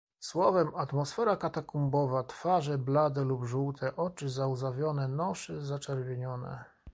"Słowem, atmosfera katakumbowa, twarze blade lub żółte, oczy załzawione, nosy zaczerwienione."